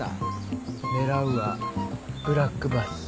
狙うはブラックバス。